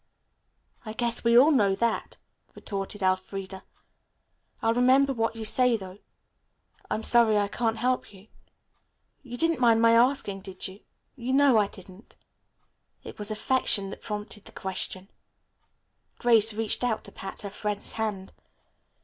"I guess we all know that," retorted Elfreda. "I'll remember what you say, though. I'm sorry I can't help you. You didn't mind my asking, did you?" "You know I didn't. It was affection that prompted the question." Grace reached out to pat her friend's hand.